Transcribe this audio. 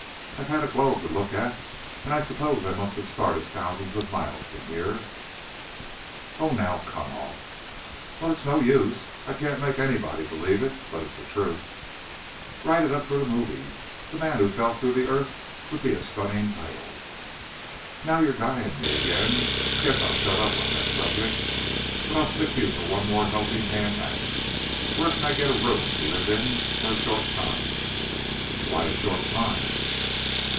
I've had a globe to look at, and I suppose I must have started thousands of miles from here " "Oh, now, come off " "Well, it's no use. I can't make anybody believe it, but it's the truth!" "Write it up for the movies. The Man Who Fell Through the Earth would be a stunning title!" "Now you're guying me again. Guess I'll shut up on that subject. But I'll stick you for one more helping hand act. Where can I get a room to live in for a short time?" "Why a short time?"